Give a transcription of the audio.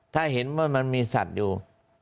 ถ้าเห็นว่ามันมีสัตว์อยู่